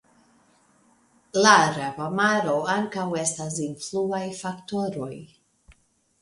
La Araba Maro ankaŭ estas influaj faktoroj.